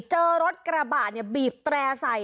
เจอรถกระบาดบีบแตล่อใส่